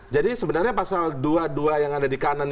jadi sebenarnya pasal dua puluh dua yang ada di kanan ini